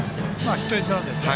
ヒットエンドランですね。